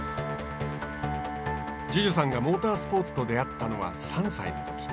樹潤さんがモータースポーツと出会ったのは３歳のとき。